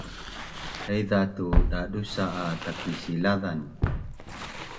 haiza tu dadusa’ a Takisilazan